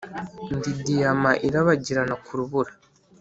ndi diyama irabagirana ku rubura,